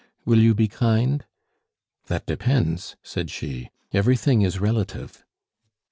Will you be kind?" "That depends," said she; "everything is relative."